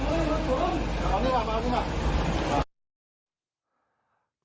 ในทุกข์อ๋อมาท์